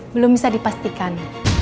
belum bisa dipastikan